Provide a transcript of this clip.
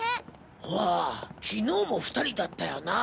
ああ昨日も２人だったよな。